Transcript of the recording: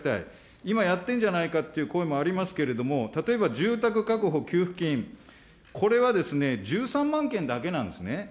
今やってんじゃないかっていう声もありますけれども、例えば住宅確保給付金、これはですね、１３万件だけなんですね。